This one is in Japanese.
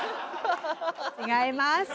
違います。